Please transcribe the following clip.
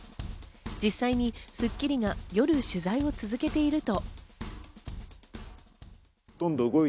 実際に『スッキリ』が夜、取材を続けていると。